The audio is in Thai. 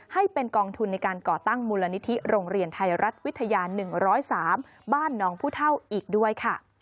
ให้เป็นกองทุนในการก่อตั้งมูลนิธิโรงเรียนไทยรัฐวิทยา๑๐๓บ้านน้องผู้เท่าอีกด้วยค่ะ